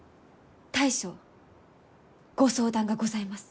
大将ご相談がございます。